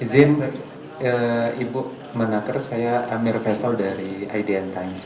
izin ibu menteri saya amir faisal dari idn times